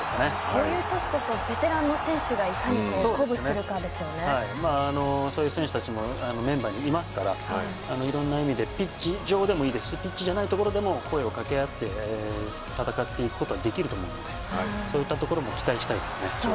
こういうときこそベテランの選手がそういう選手たちもメンバーにいますからいろんな意味でピッチ上でもいいですしピッチじゃないところでも声を掛け合って戦っていくことができると思うのでそういったところも期待したいですね。